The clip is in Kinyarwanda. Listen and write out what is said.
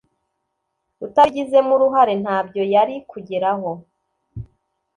utabigizemo uruhare ntabyo yari kugeraho